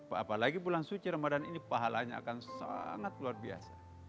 apalagi bulan suci ramadan ini pahalanya akan sangat luar biasa